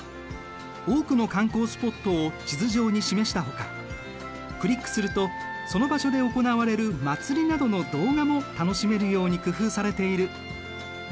多くの観光スポットを地図上に示したほかクリックするとその場所で行われる祭りなどの動画も楽しめるように工夫されている。